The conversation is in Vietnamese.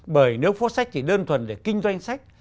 bởi nếu phố sách chỉ đơn thuần để kinh doanh sách